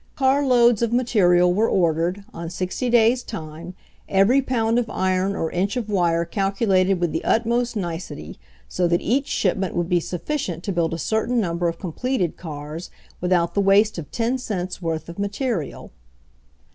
Carloads of material were ordered, on sixty days' time, every pound of iron or inch of wire calculated with the utmost nicety so that each shipment would be sufficient to build a cer tain number of completed cars without the waste of ten cents' worth of material.